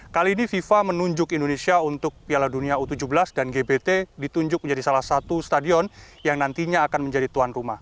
kali ini fifa menunjuk indonesia untuk piala dunia u tujuh belas dan gbt ditunjuk menjadi salah satu stadion yang nantinya akan menjadi tuan rumah